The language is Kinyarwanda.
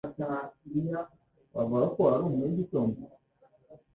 Wavuga ko uri umuntu wigitondo?